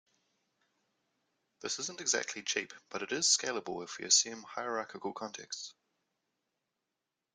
This isn't exactly cheap, but it is scalable if we assume hierarchical contexts.